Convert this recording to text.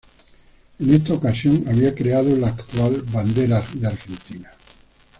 En esta ocasión había creado la actual Bandera Argentina.